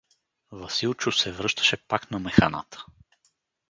Василчо се връщаше пак на механата.